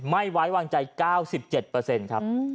ไม่ไว้วางใจ๙๗เปอร์เซ็นต์ครับ